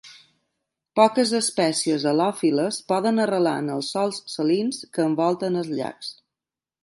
Poques espècies halòfiles poden arrelar en els sòls salins que envolten els llacs.